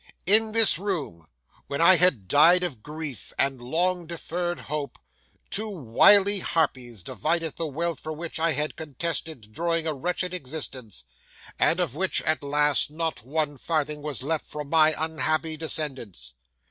In this room, when I had died of grief, and long deferred hope, two wily harpies divided the wealth for which I had contested during a wretched existence, and of which, at last, not one farthing was left for my unhappy descendants.